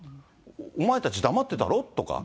お前たち、黙ってたろ？とか。